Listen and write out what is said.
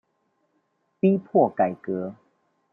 逼迫改革